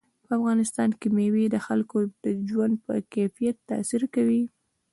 په افغانستان کې مېوې د خلکو د ژوند په کیفیت تاثیر کوي.